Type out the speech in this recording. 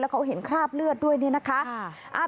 เขาเห็นคราบเลือดด้วยเนี่ยนะคะ